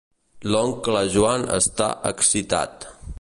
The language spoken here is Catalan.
L'oncle Joan està excitat.